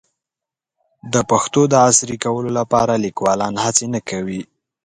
د پښتو د عصري کولو لپاره لیکوالان هڅې نه کوي.